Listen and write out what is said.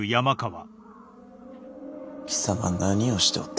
貴様何をしておった？